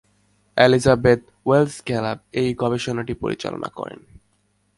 Elizabeth Wells Gallup এই গবেষণাটি পরিচালনা করেন।